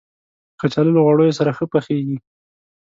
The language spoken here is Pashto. کچالو له غوړیو سره ښه پخیږي